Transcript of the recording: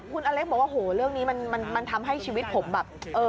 คุณอเล็กบอกว่าโหเรื่องนี้มันทำให้ชีวิตผมแบบ